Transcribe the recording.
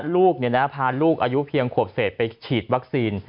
ลูกพาลูกอายุเพียงขวบเศษไปฉีดวัคซีน